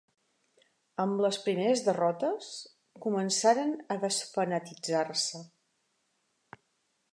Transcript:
Amb les primeres derrotes, començaren a desfanatitzar-se.